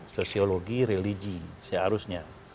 sosiologi religi seharusnya